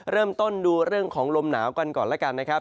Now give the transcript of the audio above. เริ่มต้นดูเรื่องของลมหนาวกันก่อนแล้วกันนะครับ